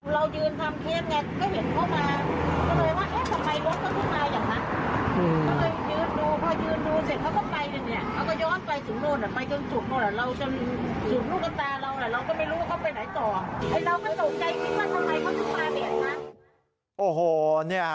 เราก็ตกใจคิดว่าทำไมเขาถึงมาเหมือนกัน